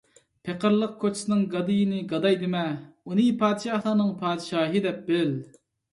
پېقىرلىق كوچىسىنىڭ گادىيىنى گاداي دېمە، ئۇنى پادىشاھلارنىڭ پادىشاھى دەپ بىل.